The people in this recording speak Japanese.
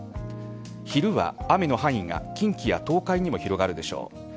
昼は雨の範囲が近畿や東海にも広がるでしょう。